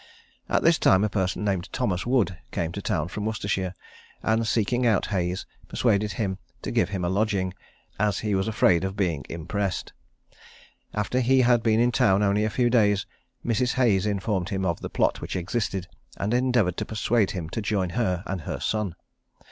At this time a person named Thomas Wood came to town from Worcestershire, and seeking out Hayes, persuaded him to give him a lodging, as he was afraid of being impressed. After he had been in town only a few days, Mrs. Hayes informed him of the plot which existed, and endeavoured to persuade him to join her and her son.